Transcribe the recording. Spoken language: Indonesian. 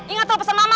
ingat apa pesan mama